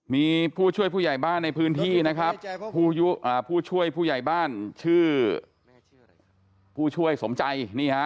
มีผู้ช่วยผู้ใหญ่บ้านในพื้นที่นะครับผู้ช่วยผู้ใหญ่บ้านชื่อผู้ช่วยสมใจนี่ฮะ